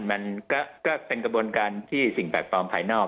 มันก็เป็นกระบวนการที่สิ่งแปลกปลอมภายนอก